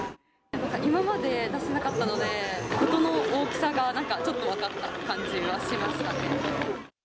なんか今まで、出してなかったので、事の大きさがなんかちょっと分かった感じはしますかね。